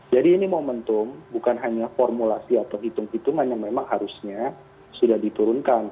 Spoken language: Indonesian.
jadi ini momentum bukan hanya formulasi atau hitung hitungan yang memang harusnya sudah diturunkan